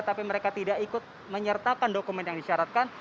tapi mereka tidak ikut menyertakan dokumen yang disyaratkan